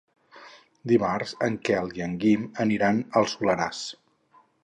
Dimarts en Quel i en Guim aniran al Soleràs.